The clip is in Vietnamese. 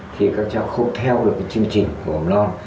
thì các trường không theo được chương trình của mầm non